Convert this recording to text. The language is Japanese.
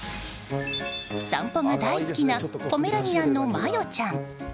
散歩が大好きなポメラニアンのマヨちゃん。